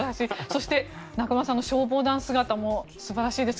そして、中村さんの消防団姿も素晴らしいです。